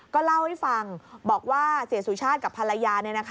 ก็เล่าให้ฟังบอกว่าเสียสุชาติกับภรรยา